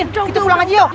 kita pulang aja yuk